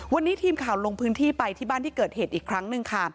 วันนี้ทีมข่าวลงพื้นที่ไปที่บ้านที่เกิดเหตุอีกครั้งหนึ่งค่ะ